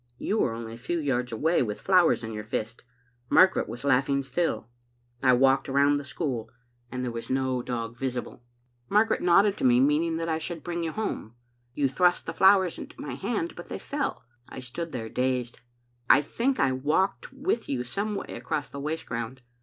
You were only a few yards away, with flowers in your fist. Margaret was laughing still. I walked round tbe school and there was no dog visible. .Digitized by VjOOQIC BM Vbe Xittle mtiMct. Margaret nodded to me, meaning that I should bring you home. You thrust the flowers into my hand, but they fell. I stood there, dazed. "I think I walked with you some way across the waste ground.